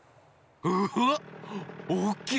うわっおおきい！